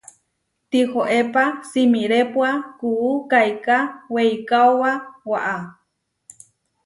Tihoépa simirépua kuú kaiká weikaóba waʼá.